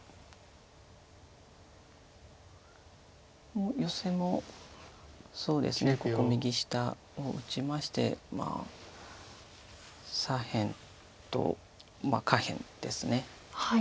もうヨセもここ右下を打ちましてまあ左辺と下辺です。